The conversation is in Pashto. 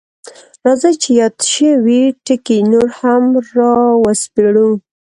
راځئ چې یاد شوي ټکي نور هم راوسپړو: